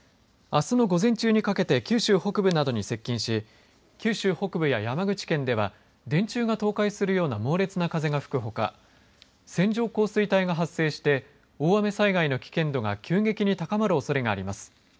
あすの午前中にかけて九州北部などに接近し九州北部や山口県では電柱が倒壊するような猛烈な風が吹くほか線状降水帯が発生して大雨災害の危険度が急激に高まるおそれがあります。